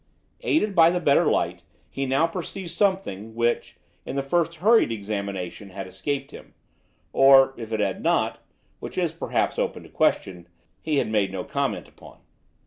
Aided by the better light, he now perceived something which, in the first hurried examination, had escaped him, or, if it had not which is, perhaps, open to question he had made no comment upon.